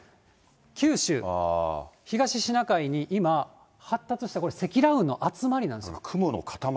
九州、東シナ海に今、発達した、これ積乱雲の集まりなんですよ。